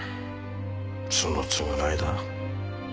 その償いだ。